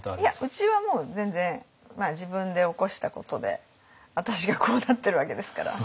うちはもう全然自分で起こしたことで私がこうなってるわけですから。